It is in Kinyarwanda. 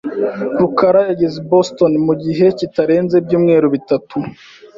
rukara yageze i Boston mu gihe kitarenze ibyumweru bitatu .